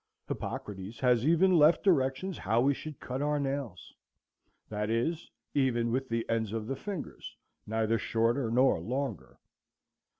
Hippocrates has even left directions how we should cut our nails; that is, even with the ends of the fingers, neither shorter nor longer.